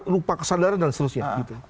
lupa kesadaran dan seterusnya